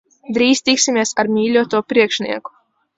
Drīz tiksimies ar mīļoto priekšnieku.